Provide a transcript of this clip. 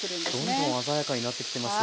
どんどん鮮やかになってきてます。